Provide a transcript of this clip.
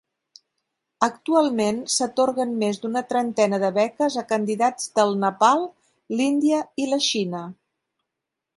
Actualment s'atorguen més d'una trentena de beques a candidats del Nepal, l'Índia i la Xina.